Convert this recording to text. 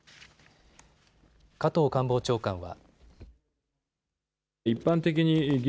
加藤官房長官は。